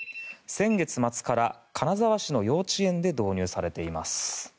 先月末から金沢市の幼稚園で導入されています。